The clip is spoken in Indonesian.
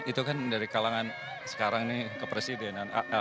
itu kan dari kalangan sekarang nih ke presiden